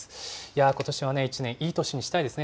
ことしは１年、いい年にしたいですね。